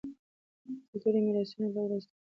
کلتوري میراثونه باید د راتلونکي نسل لپاره وساتل شي.